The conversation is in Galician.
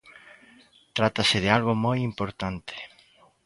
Trátase de algo moi importante.